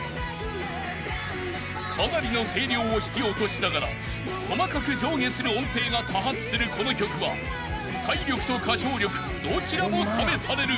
［かなりの声量を必要としながら細かく上下する音程が多発するこの曲は体力と歌唱力どちらも試される］